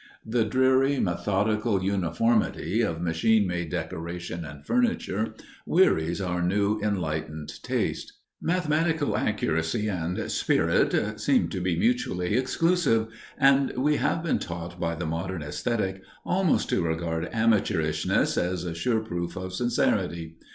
The dreary, methodical uniformity of machine made decoration and furniture wearies our new enlightened taste. Mathematical accuracy and "spirit" seem to be mutually exclusive, and we have been taught by the modern Æsthetic almost to regard amateurishness as a sure proof of sincerity.